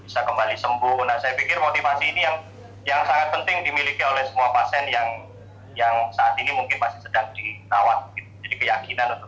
sehat kembali sembuh saya pikir motivasi ini yang penting bagi kita untuk berhasil mencapai keamanan yang sangat penting untuk membuat kita lebih baik dari keadaan dengan keamanan yang kita lakukan